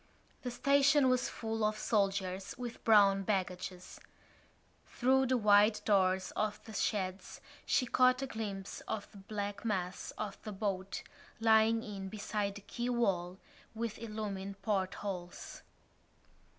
The station was full of soldiers with brown baggages. Through the wide doors of the sheds she caught a glimpse of the black mass of the boat, lying in beside the quay wall, with illumined portholes.